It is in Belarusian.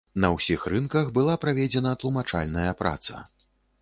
На ўсіх рынках была праведзена тлумачальная праца.